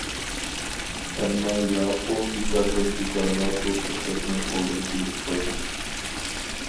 ئەمما ياخۇ بىكاردىن بىكارغا بۇ پۇرسەتنى قولدىن بېرىپ قويدى.